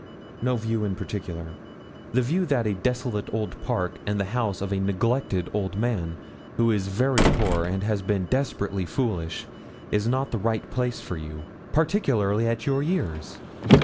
'No view in particular; the view that a desolate old park, and the house of a neglected old man, who is very poor, and has been desperately foolish, is not the right place for you, particularly at your years.